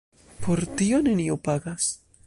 Por tio neniu pagas.